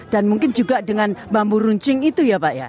dan mungkin juga dengan bambu runcing itu ya pak